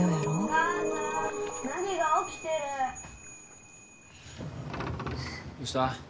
お母さんなぎが起きてるどうした？